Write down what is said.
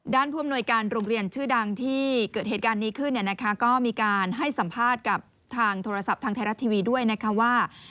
ผู้อำนวยการโรงเรียนชื่อดังที่เกิดเหตุการณ์นี้ขึ้นเนี่ยนะคะก็มีการให้สัมภาษณ์กับทางโทรศัพท์ทางไทยรัฐทีวีด้วยนะคะว่า